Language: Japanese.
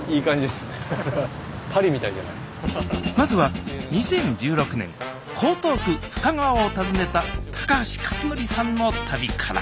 まずは２０１６年江東区深川を訪ねた高橋克典さんの旅から。